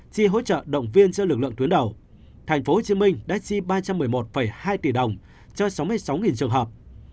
chi hỗ trợ động viên cho lực lượng tuyến đầu tp hcm đã chi ba trăm một mươi một hai tỷ đồng cho sáu mươi sáu trường hợp